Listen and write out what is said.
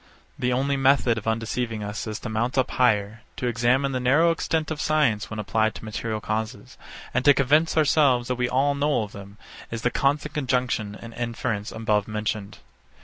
The only method of undeceiving us is to mount up higher; to examine the narrow extent of science when applied to material causes; and to convince ourselves that all we know of them is the constant conjunction and inference above mentioned.